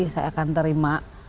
saya akan terima